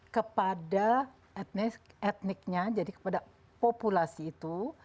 kepada etniknya jadi kepada populasi itu